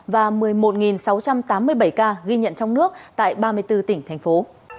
và một mươi một sáu trăm tám mươi bảy ca ghi nhận trong nước tại ba mươi bốn tỉnh thành phố